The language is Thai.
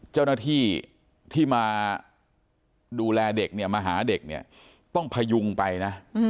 เจ้าหน้าที่ที่มาดูแลเด็กเนี่ยมาหาเด็กเนี่ยต้องพยุงไปนะ